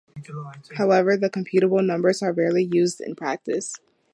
However, the computable numbers are rarely used in practice.